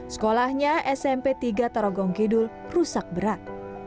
sekolahnya smp tiga tarogong kidul rusak berat